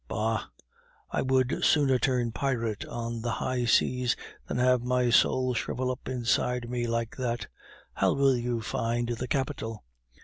Bah! I would sooner turn pirate on the high seas than have my soul shrivel up inside me like that. How will you find the capital?